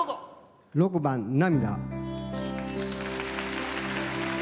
６番「涙」。